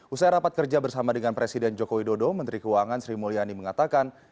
usai rapat kerja bersama dengan presiden joko widodo menteri keuangan sri mulyani mengatakan